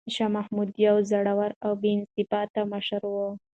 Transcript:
شاه محمود یو زړور او با انضباطه مشر و.